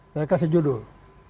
saya kasih judul